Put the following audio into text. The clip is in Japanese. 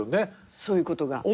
そういうことが？